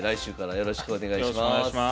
よろしくお願いします。